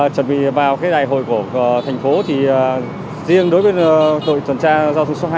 chuẩn bị vào cái đại hội của thành phố thì riêng đối với đội tuần tra giao thông số hai